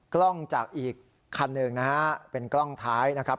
กล้องจากอีกคันหนึ่งนะฮะเป็นกล้องท้ายนะครับ